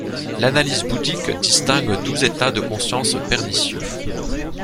L'analyse bouddhique distingue douze états de conscience pernicieux.